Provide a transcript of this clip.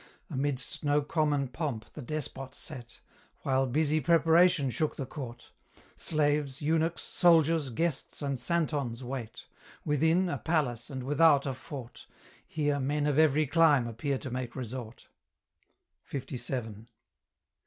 Amidst no common pomp the despot sate, While busy preparation shook the court; Slaves, eunuchs, soldiers, guests, and santons wait; Within, a palace, and without a fort, Here men of every clime appear to make resort. LVII.